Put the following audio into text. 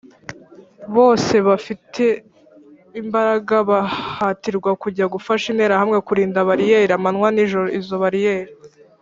Bose bafite imbaraga bahatirwaga kujya gufasha interahamwe kurinda bariyeri amanywa n ijoro izo bariyeri